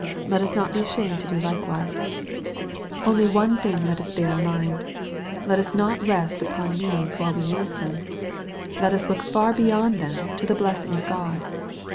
Let us not be ashamed to do likewise. One thing only let us bear in mind. Let us not rest upon means while we use them. Let us look far beyond them to the blessing of God.